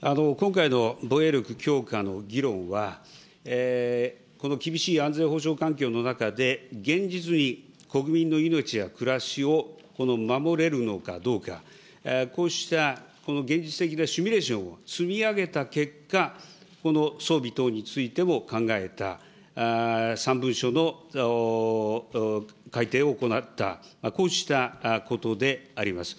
今回の防衛力強化の議論は、この厳しい安全保障環境の中で、現実に国民の命や暮らしを守れるのかどうか、こうしたこの現実的なシミュレーションを積み上げた結果、この装備等についても考えた、三文書の改定を行った、こうしたことであります。